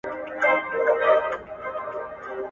ایا ته پوهېږې چې د جګړې او سولې رومان څو برخې لري؟